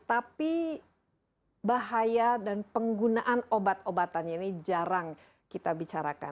tapi bahaya dan penggunaan obat obatannya ini jarang kita bicarakan